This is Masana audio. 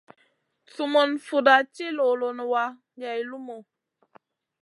Sumun fuda ci luluna wa geyn lumu.